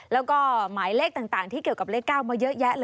แล้วก็หมายเลขต่างที่เกี่ยวกับเลข๙มาเยอะแยะเลย